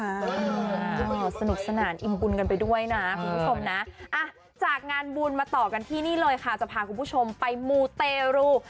โอ้โหสนุกสนานอิ่มบุญกันไปด้วยนะคุณผู้ชมนะจากงานบุญมาต่อกันที่นี่เลยค่ะจะพาคุณผู้ชมไปมูเตรู